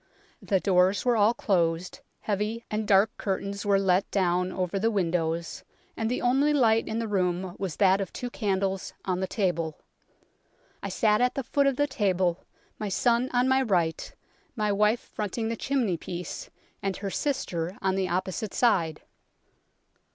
The doors were all closed, heavy and dark curtains were let down over the windows, and the only light in the room was that of two candles on the table. I sat at the foot of the table, my son on my right, my wife fronting the chimney piece, and her sister on the opposite side.